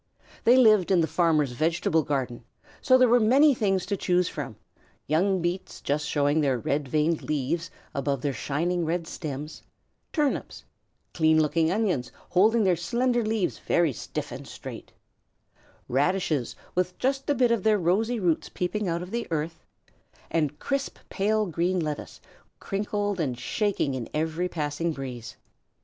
They lived in the farmer's vegetable garden, so there were many things to choose from: young beets just showing their red veined leaves above their shining red stems; turnips; clean looking onions holding their slender leaves very stiff and straight; radishes with just a bit of their rosy roots peeping out of the earth; and crisp, pale green lettuce, crinkled and shaking in every passing breeze.